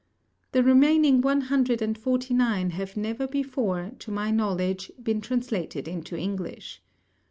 The remaining one hundred and forty nine have never before, to my knowledge, been translated into English.